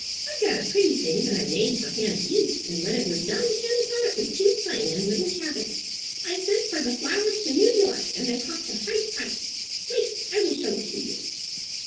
I've got a pretty thing that I made fer Hannah Heath an' when it was done Hannah thought it was too plain and wouldn't have it. I sent for the flowers to New York and they cost a high price. Wait! I will show it to you."